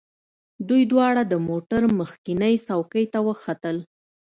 دوی دواړه د موټر مخکینۍ څوکۍ ته وختل